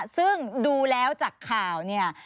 ซึ่งดูแล้วจากข่าวเนี่ย